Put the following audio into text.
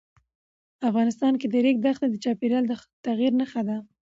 افغانستان کې د ریګ دښتې د چاپېریال د تغیر نښه ده.